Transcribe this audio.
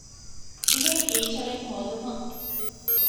ދިވެހި ޓީޗަރެއް ހޯދުމަށް